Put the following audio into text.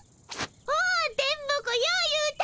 おう電ボ子よう言うた。